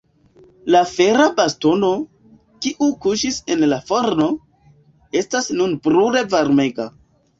La fera bastono, kiu kuŝis en la forno, estas nun brule varmega.